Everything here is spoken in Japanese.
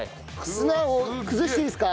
砂を崩していいですか？